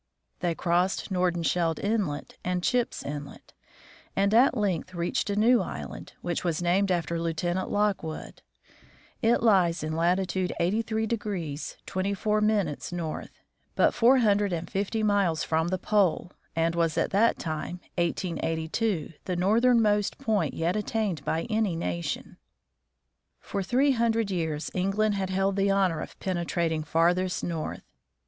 They crossed Nordenskjold inlet and Chipps inlet, and at length reached a new island, which was named after Lieutenant Lockwood. It lies in latitude 83 24/ north, but four hundred and fifty miles from the pole, and was at that time, 1882, the northernmost point yet attained by any nation. For three hundred years England had held the honor of penetrating farthest north.